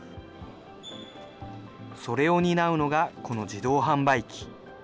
それを担うのが、この自動販売機。